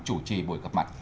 chủ trì buổi gặp mặt